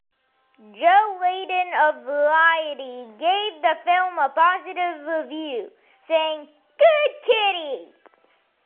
Joe Leydon of "Variety" gave the film a positive review, saying "Good kitty!